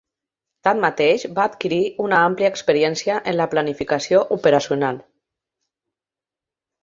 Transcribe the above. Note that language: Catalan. Tanmateix, va adquirir una àmplia experiència en la planificació operacional.